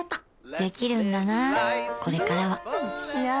できるんだなこれからはん！